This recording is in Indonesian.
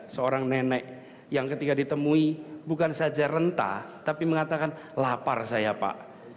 seorang nenek yang ketika ditemui bukan saja rentah tapi mengatakan lapar saya pak